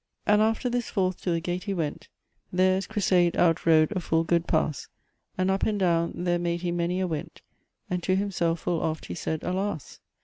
"And after this forth to the gate he wente, Ther as Creseide out rode a ful gode pass, And up and doun there made he many' a wente, And to himselfe ful oft he said, Alas!